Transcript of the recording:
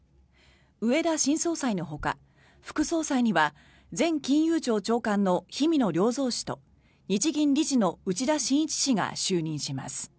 植田新総裁のほか副総裁には前金融庁長官の氷見野良三氏と日銀理事の内田眞一氏が就任します。